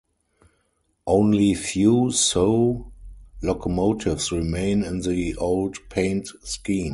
Only few Soo locomotives remain in the old paint scheme.